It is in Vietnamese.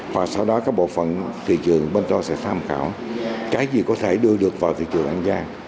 và sau đó các bộ phận thị trường bên cho sẽ tham khảo cái gì có thể đưa được vào thị trường an giang